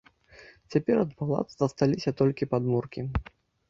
Цяпер ад палаца засталіся толькі падмуркі.